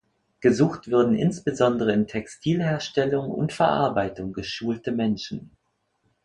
Gesucht würden insbesondere in Textilherstellung- und verarbeitung geschulte Menschen.